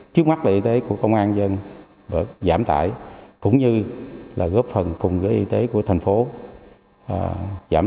trước mắt là y tế của công an dân giảm tải cũng như là góp phần cùng với y tế của tp hcm